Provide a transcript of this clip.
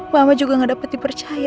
mama juga gak dapat dipercaya